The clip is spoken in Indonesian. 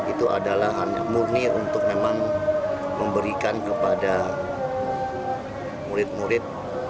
itu adalah hanya murni untuk memang memberikan kepada murid murid